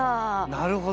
なるほど。